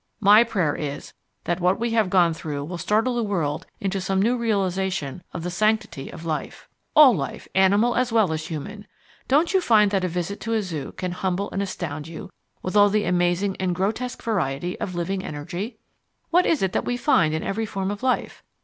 My prayer is that what we have gone through will startle the world into some new realization of the sanctity of life all life, animal as well as human. Don't you find that a visit to a zoo can humble and astound you with all that amazing and grotesque variety of living energy? What is it that we find in every form of life?